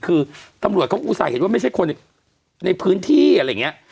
คือตำรวจเขาอุตส่าห์เห็นว่าไม่ใช่คนในพื้นที่อะไรอย่างนี้